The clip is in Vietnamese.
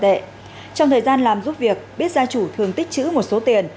trong thời gian làm giúp việc biết gia chủ thường tích chữ một số tiền